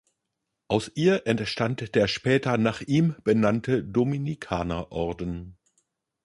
Aus ihr entstand der später nach ihm benannte Dominikanerorden.